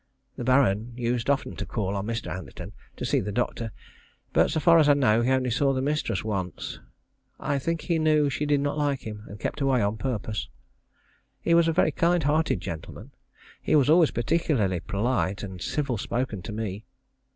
The Baron used often to call on Mr. Anderton, to see the doctor, but, so far as I know, he only saw the mistress once. I think he knew she did not like him, and kept away on purpose. He was a very kind hearted gentleman. He was always particularly polite and civil spoken to me.